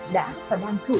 đã và đang thử